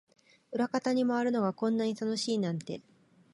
裏方に回るのがこんなに楽しいなんて